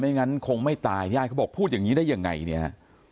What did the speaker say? งั้นคงไม่ตายญาติเขาบอกพูดอย่างนี้ได้ยังไงเนี่ยฮะ